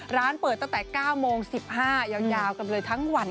ร้านเปิดตั้งแต่๙โมง๑๕ยาวกันเลยทั้งวัน